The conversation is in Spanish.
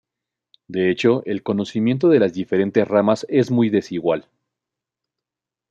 De hecho el conocimiento de las diferentes ramas es muy desigual.